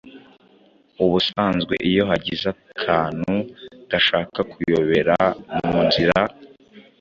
Ubusanzwe iyo hagize akantu gashaka kuyobera mu nzira